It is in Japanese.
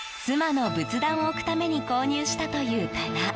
妻の仏壇を置くために購入したという棚。